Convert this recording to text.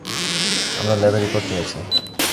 আমরা ল্যাবের রিপোর্ট পেয়েছি।